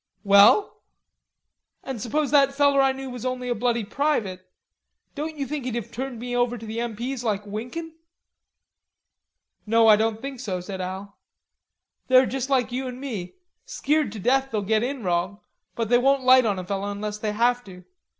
"Well?" "An' suppose that feller knew that I was only a bloody private. Don't you think he'd have turned me over to the M. P.'s like winkin'?" "No, I don't think so," said Al. "They're juss like you an me, skeered to death they'll get in wrong, but they won't light on a feller unless they have to."